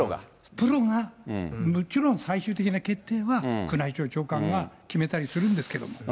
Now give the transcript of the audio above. プロが、もちろん最終的な決定は、宮内庁長官が決めたりするんですけれども。